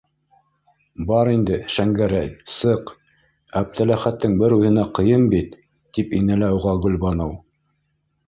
Бар инде, Шәңгәрәй, сыҡ, Әптеләхәттең бер үҙенә ҡыйын бит, - тип инәлә уға Гөлбаныу.